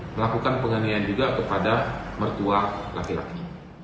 melakukan penganiayaan juga kepada mertua laki laki